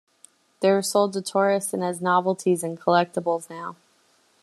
They are sold to tourists and as novelties and collectibles now.